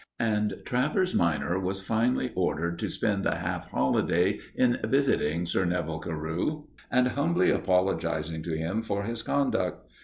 And Travers minor was finally ordered to spend a half holiday in visiting Sir Neville Carew and humbly apologizing to him for his conduct.